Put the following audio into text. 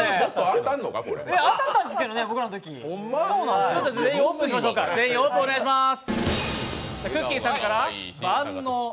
当たったんですけどね、僕らのとき全員、オープンお願いします